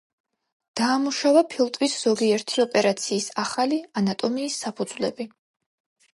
დაამუშავა ფილტვის ზოგიერთი ოპერაციის ახალი ანატომიის საფუძვლები.